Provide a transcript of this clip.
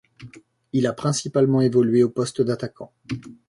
Il a principalement évolué au poste d'attaquant.